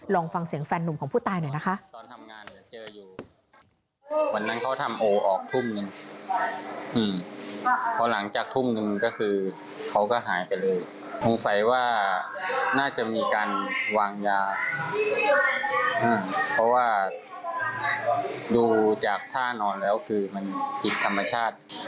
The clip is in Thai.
ลองฟังเสียงแฟนหนุ่มของผู้ตายหน่อยนะคะ